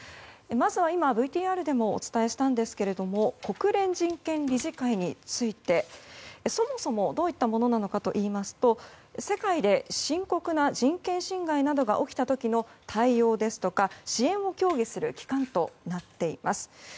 まずは今ＶＴＲでもお伝えしたんですけれども国連人権理事会についてそもそもどういったものなのかといいますと世界で深刻な人権侵害などが起きた時の対応ですとか、支援を協議する機関となっています。